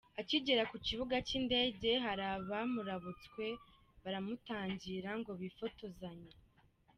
Akigera ku kibuga cy'indege hari abamurabutswe baramutangira ngo bifotozanye.